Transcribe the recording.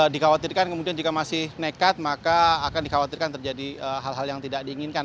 dikhawatirkan kemudian jika masih nekat maka akan dikhawatirkan terjadi hal hal yang tidak diinginkan